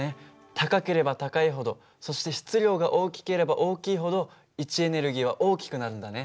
高ければ高いほどそして質量が大きければ大きいほど位置エネルギーは大きくなるんだね。